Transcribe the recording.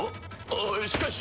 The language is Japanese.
あっしかし。